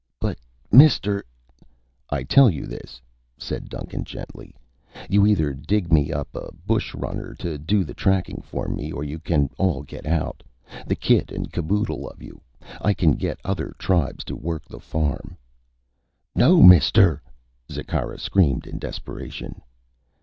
"But, mister...." "I tell you this," said Duncan gently, "you either dig me up a bush runner to do the tracking for me or you can all get out, the kit and caboodle of you. I can get other tribes to work the farm." "No, mister!" Zikkara screamed in desperation.